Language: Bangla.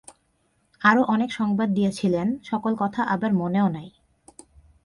আরো অনেক সংবাদ দিয়াছিলেন, সকল কথা আবার মনেও নাই।